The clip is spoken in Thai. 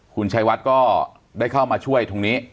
คุณชายวัฒน์ก็ได้เข้ามาช่วยทุกคนนี้